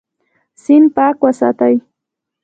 سیند پاک وساتئ.